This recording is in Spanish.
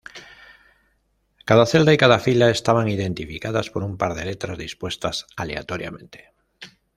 Cada celda y cada fila estaban identificadas por un par de letras dispuestas aleatoriamente.